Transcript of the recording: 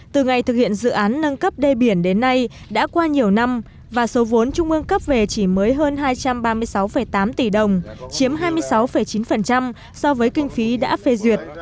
từ ngày thực hiện dự án nâng cấp đê biển đến nay đã qua nhiều năm và số vốn trung ương cấp về chỉ mới hơn hai trăm ba mươi sáu tám tỷ đồng chiếm hai mươi sáu chín so với kinh phí đã phê duyệt